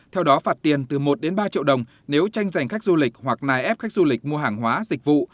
theo đó phạt tiền từ một đến ba triệu đồng nếu tranh giành khách du lịch hoặc nài ép khách du lịch mua hàng hóa dịch vụ